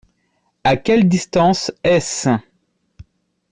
À quelle distance est-ce ?